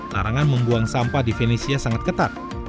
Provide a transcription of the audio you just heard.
larangan membuang sampah di venesia sangat ketat